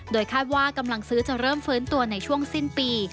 โดยคาดว่ากำลังซื้อจะเริ่มฟื้นตัวในช่วงสิ้นปี